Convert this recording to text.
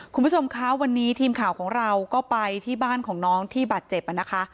คุณผู้ชมคะวันนี้ทีมข่าวของเราก็ไปที่บ้านของน้องที่บาดเจ็บนะคะ